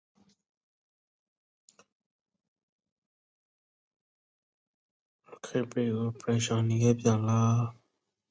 ရခိုင်ပြည်ကိုပြန်ချင်နီကတ်ဗျယ်လား